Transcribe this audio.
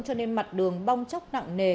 cho nên mặt đường bong chóc nặng nề